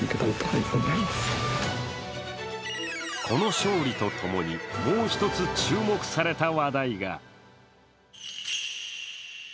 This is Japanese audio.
この勝利とともに、もう一つ注目された話題が。